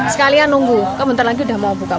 sekalian nunggu kok bentar lagi udah mau buka puasa nih